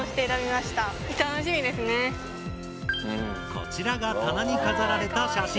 こちらが棚に飾られた写真！